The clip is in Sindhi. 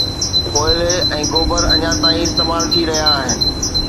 ڪوئلي ۽ گوبر اڃا تائين استعمال ٿي رهيا آهن